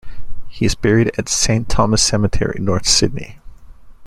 He is buried at Saint Thomas cemetery, North Sydney.